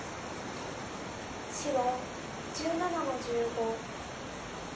白１７の十五。